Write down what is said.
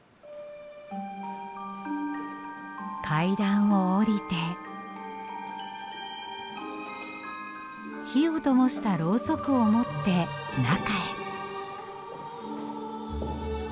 階段を下りて火をともしたろうそくを持って中へ。